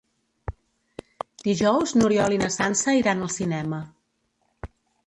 Dijous n'Oriol i na Sança iran al cinema.